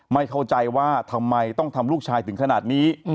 ไม่เข้าใจว่าทำไมต้องทำลูกชายถึงขนาดนี้